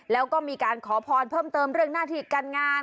แล้วก็มีการขอพรเพิ่มเติมเรื่องหน้าที่การงาน